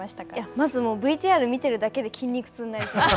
まず、ＶＴＲを見ているだけで筋肉痛になりそうです。